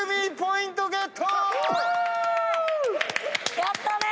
やったね！